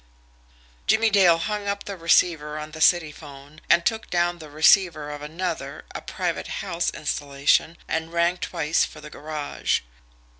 Jimmie Dale hung up the receiver of the city 'phone, and took down the receiver of another, a private house installation, and rang twice for the garage.